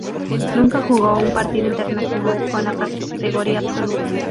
Nunca jugó un partido internacional con la categoría absoluta.